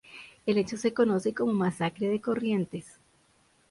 El hecho se conoce como Masacre de Corrientes.